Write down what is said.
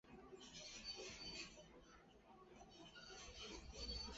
朱德故居位于马鞍镇。